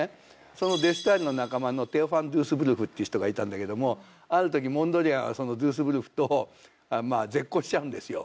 デ・ステイルの仲間のテオ・ファン・ドゥースブルフって人がいたんだけどもあるときモンドリアンがドゥースブルフと絶交しちゃうんですよ。